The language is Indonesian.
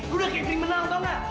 kau udah kayak giling menang tau nggak